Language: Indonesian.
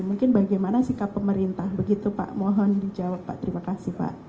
mungkin bagaimana sikap pemerintah begitu pak mohon dijawab pak terima kasih pak